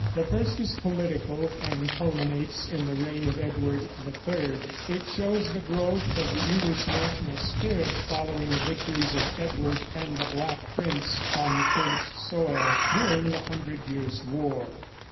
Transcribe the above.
The first is political, and culminates in the reign of Edward III. It shows the growth of the English national spirit following the victories of Edward and the Black Prince on French soil, during the Hundred Years' War.